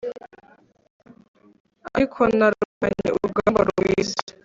ariko narwanye urugamba rwiza!